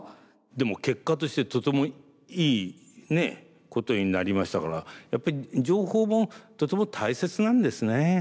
でも結果としてとてもいいことになりましたからやっぱり情報もとても大切なんですね。